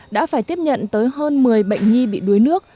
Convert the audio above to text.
đã phải tiếp nhận tới hơn một mươi bệnh nhi bị đuối nước